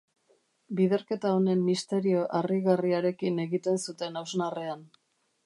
Biderketa honen misterio harrigarriarekin egiten zuten hausnarrean.